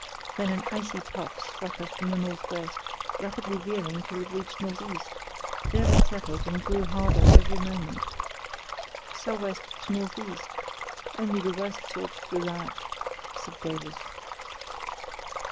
Then an icy puff struck us from the north west, rapidly veering till it reached north east; there it settled and grew harder every moment. "'Sou' west to north east—only the worst sort do that,' said Davies.